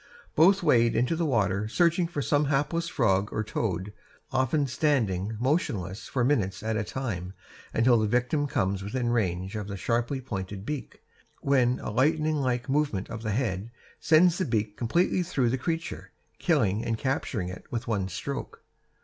Both wade into the water searching for some hapless frog or toad, often standing motionless for minutes at a time until the victim comes within range of the sharply pointed beak, when a lightning like movement of the head sends the beak completely through the creature, killing and capturing it with one stroke.